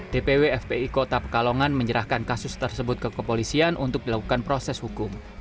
dpw fpi kota pekalongan menyerahkan kasus tersebut ke kepolisian untuk dilakukan proses hukum